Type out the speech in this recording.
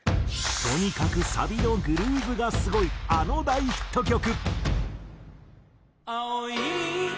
とにかくサビのグルーヴがすごいあの大ヒット曲。